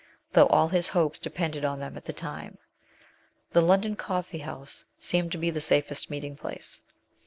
though all his hopes depended on them at the time. The London Coffee House seemed to be the safest meeting place.